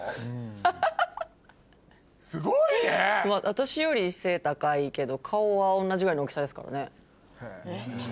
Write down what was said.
私より背高いけど顔は同じぐらいの大きさですからね。